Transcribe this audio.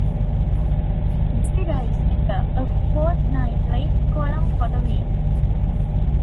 De writes Detour, a fortnightly column for The Week.